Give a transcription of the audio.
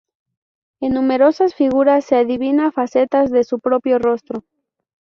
En numerosas figuras se adivina facetas de su propio rostro.